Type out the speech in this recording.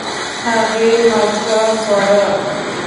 هغې مالټه خوړه.